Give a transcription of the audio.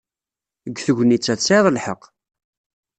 Deg tegnit-a, tesɛiḍ lḥeqq.